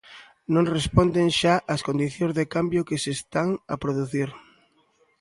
Non responden xa ás condicións de cambio que se están a producir.